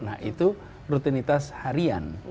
nah itu rutinitas harian